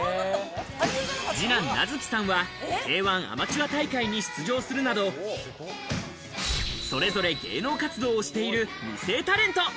二男・名月さんはＫ‐１アマチュア大会に出場するなど、それぞれ芸能活動をしている二世タレント。